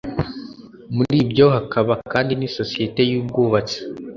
muri ibyo hakaba kandi n’isosiyete y’ubwubatsi